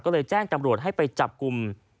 ก็เลยแจ้งตำรวจให้ไปจับกลุ่ม